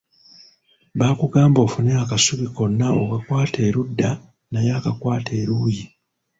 Bakugamba ofune akasubi konna okakwate eludda naye akakwate eluuyi.